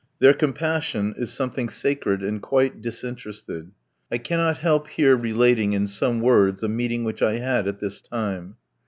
Their compassion is something sacred and quite disinterested. I cannot help here relating in some words a meeting which I had at this time.